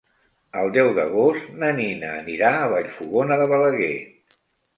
El deu d'agost na Nina anirà a Vallfogona de Balaguer.